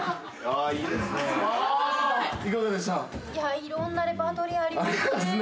いろんなレパートリーありますね。